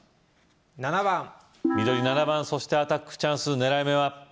７番緑７番そしてアタックチャンス狙い目は？